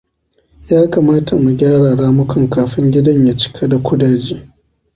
Ya kamata mu gyara ramukan kafin gidan ya cika da kudaje.